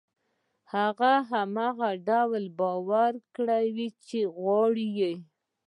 هغه هماغه ډول باوري کړئ چې غواړي يې.